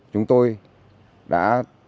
chúng tôi đã